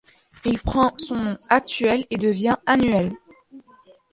Il prend son nom actuel et devient annuel.